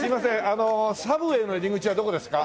あのサブウェイの入り口はどこですか？